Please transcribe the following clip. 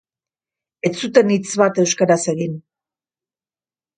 Ez zuten hitz bat euskaraz egin.